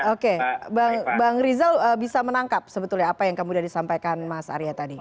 oke bang rizal bisa menangkap sebetulnya apa yang kemudian disampaikan mas arya tadi